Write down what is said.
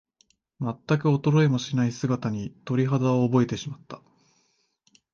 まったく衰えもしない姿に、鳥肌を覚えてしまった。